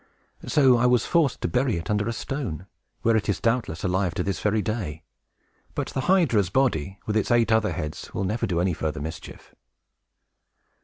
So I was forced to bury it under a stone, where it is doubtless alive to this very day. But the hydra's body, and its eight other heads, will never do any further mischief."